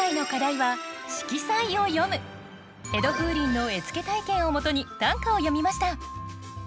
江戸風鈴の絵付け体験をもとに短歌を詠みました。